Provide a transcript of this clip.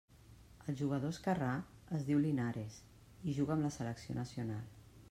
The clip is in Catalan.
El jugador esquerrà es diu Linares i juga amb la selecció nacional.